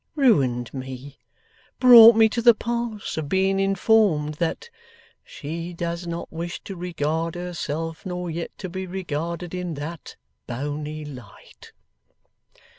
Ruined me. Brought me to the pass of being informed that "she does not wish to regard herself, nor yet to be regarded, in that boney light"!